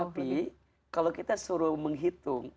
tapi kalau kita suruh menghitung